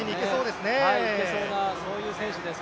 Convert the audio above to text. いけそうな、そういう選手です